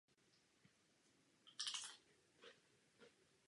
Při tom je ale také zavražděn.